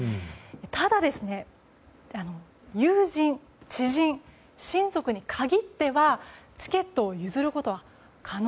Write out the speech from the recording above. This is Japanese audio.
ただ、友人・知人親族に限ってはチケットを譲ることは可能。